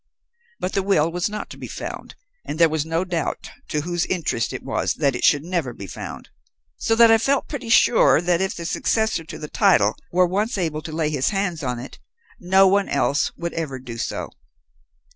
But the will was not to be found, and there was no doubt to whose interest it was that it should never be found; so that I felt pretty sure that, if the successor to the title were once able to lay his hands on it, no one else would ever do so.